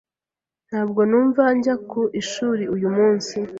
Ntabwo numva njya ku ishuri uyu munsi.